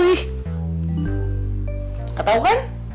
nggak tahu kan